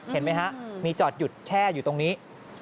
เห็นไหมฮะมีจอดหยุดแช่อยู่ตรงนี้